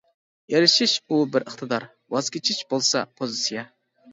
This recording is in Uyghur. ئېرىشىش ئۇ بىر ئىقتىدار، ۋاز كېچىش بولسا پوزىتسىيە.